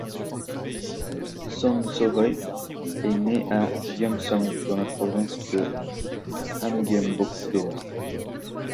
Son So-heui est née le à Gyeongseong dans la province de Hamgyeongbuk-do.